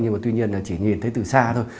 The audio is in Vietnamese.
nhưng mà tuy nhiên là chỉ nhìn thấy từ xa thôi